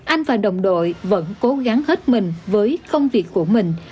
anh và đồng đội vẫn cố gắng hết mình với công việc của mình